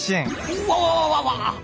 うわわわっ！